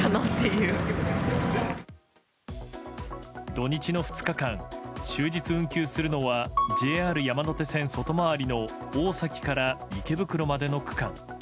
土日の２日間終日運休するのはＪＲ山手線外回りの大崎から池袋までの区間。